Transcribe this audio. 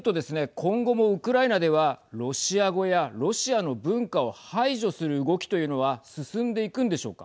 今後もウクライナではロシア語やロシアの文化を排除する動きというのは進んでいくんでしょうか。